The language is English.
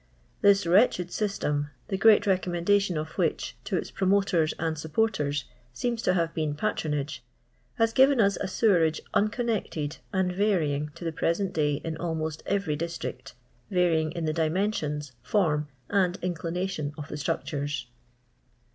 This wretched system — the great recommendation of which, to its promo ters and supporters, seems to have been patronage — has given us a sewerage unconnected and vary ing to the present day in almost every district ; var> ing in the dimensions, form, and inclination of the stnictures.